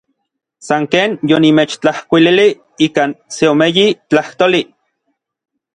San ken yonimechtlajkuililij ikan seomeyi tlajtoli.